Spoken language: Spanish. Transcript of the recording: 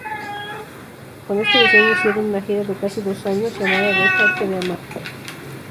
Con este disco hicieron una gira de casi dos años llamada "Dejarte de Amar".